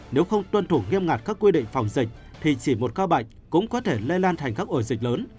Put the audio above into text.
nếu không tuân thủ nghiêm ngặt các quy định phòng dịch thì chỉ một ca bệnh cũng có thể lây lan thành các ổ dịch lớn